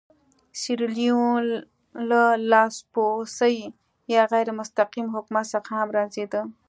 سیریلیون له لاسپوڅي یا غیر مستقیم حکومت څخه هم رنځېده.